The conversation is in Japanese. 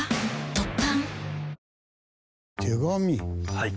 はい。